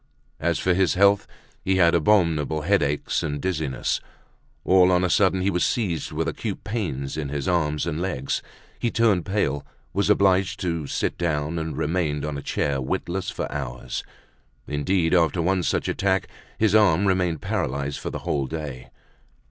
As for his health, he had abominable headaches and dizziness. All on a sudden he was seized with acute pains in his arms and legs; he turned pale; was obliged to sit down, and remained on a chair witless for hours; indeed, after one such attack, his arm remained paralyzed for the whole day.